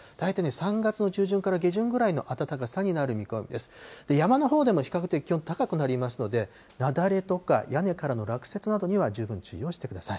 山のほうでも比較的気温高くなりますので、雪崩とか屋根からの落雪などには十分注意をしてください。